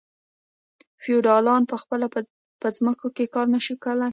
فیوډالانو په خپله په ځمکو کې کار نشو کولی.